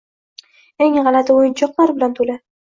eng g‘alati o‘yinchoqlar bilan to‘la.